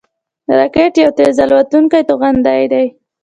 راکټ یو تېز الوتونکی توغندی دی